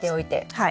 はい。